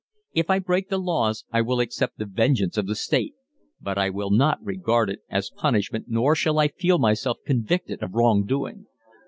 If I break the laws I will accept the vengeance of the state, but I will not regard it as punishment nor shall I feel myself convicted of wrong doing.